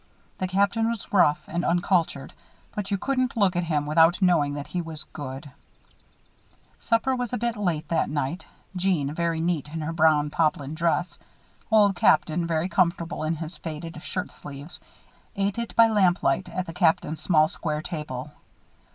The Captain was rough and uncultured; but you couldn't look at him without knowing that he was good. Supper was a bit late that night. Jeanne, very neat in her brown poplin dress, Old Captain, very comfortable in his faded shirt sleeves, ate it by lamplight at the Captain's small, square table.